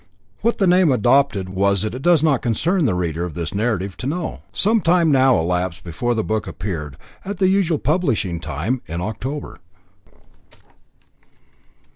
What the name adopted was it does not concern the reader of this narrative to know. Some time now elapsed before the book appeared, at the usual publishing time, in October.